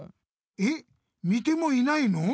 えっ見てもいないの？